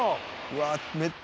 うわっ